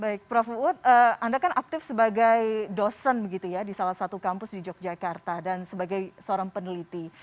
baik prof uud anda kan aktif sebagai dosen begitu ya di salah satu kampus di yogyakarta dan sebagai seorang peneliti